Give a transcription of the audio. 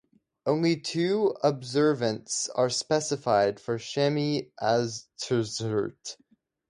Only two observances are specified for Shemini Atzeret.